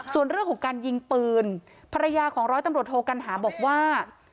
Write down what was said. ส่วนเรื่องของการยิงปืนภรรยาของร้อยตำรวจโทกัณหาบอกว่า